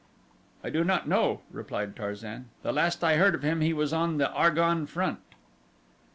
"I do not know," replied Tarzan. "The last I heard of him he was on the Argonne Front."